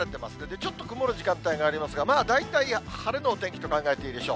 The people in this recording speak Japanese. ちょっと曇る時間帯がありますが、まあ大体晴れのお天気と考えていいでしょう。